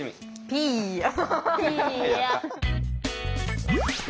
ピーヤ。